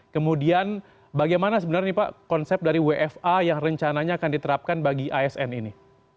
kemudian bagaimana sebenarnya pak konsep dari wfa yang rencananya akan diterapkan bagi asn ini